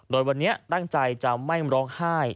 โดยวันนี้ตั้งใจจะไม่ร้องไห้